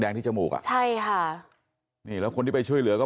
ที่จมูกอ่ะใช่ค่ะนี่แล้วคนที่ไปช่วยเหลือก็